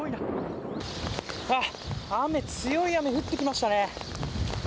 強い雨が降ってきましたね。